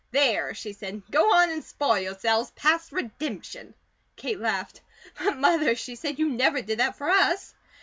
"There!" she said. "Go on and spoil yourselves past redemption." Kate laughed. "But, Mother," she said, "you never did that for us."